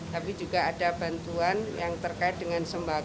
tapi juga ada bantuan yang terkait dengan sembako